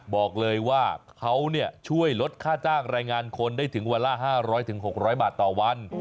บอกเลยว่าเขาช่วยลดค่าจ้างรายงานคนได้ถึงวันละ๕๐๐๖๐๐บาทต่อวัน